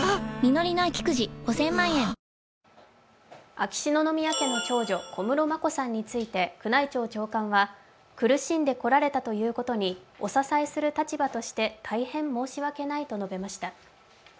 秋篠宮家の長女・小室眞子さんについて宮内庁長官は、苦しんでこられたということに、お支えする立場として大変申し訳ないと述べました。